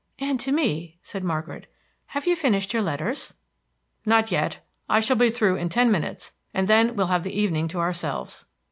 "And to me," said Margaret. "Have you finished your letters?" "Not yet. I shall be through in ten minutes, and then we'll have the evening to ourselves."